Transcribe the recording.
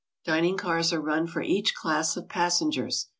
Dining cars are run for each class of passengers.